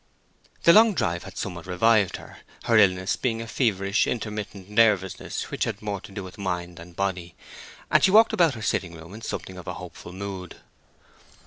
The long drive had somewhat revived her, her illness being a feverish intermittent nervousness which had more to do with mind than body, and she walked about her sitting room in something of a hopeful mood.